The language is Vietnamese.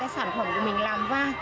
sản phẩm của mình làm ra